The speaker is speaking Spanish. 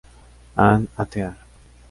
And A Tear.